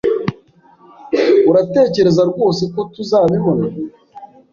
Uratekereza rwose ko tuzabibona?